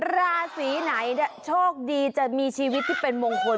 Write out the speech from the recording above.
ราศีไหนโชคดีจะมีชีวิตที่เป็นมงคล